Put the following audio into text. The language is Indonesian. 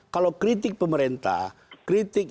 kalau kritik pemerintah kritik